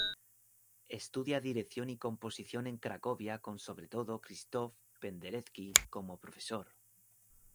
Estudia dirección y composición en Cracovia con sobre todo Krzysztof Penderecki como profesor.